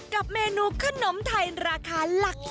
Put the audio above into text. กับเมนูขนมไทยราคาหลัก